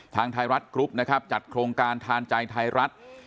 ทางไทยรัฐกรุ๊ปนะครับจัดโครงการทานใจไทยรัฐ